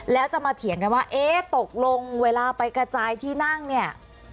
แล้วจะมาเถียงกันว่าเอ๊ะตกลงเวลาไปกระจายที่นั่งเนี่ย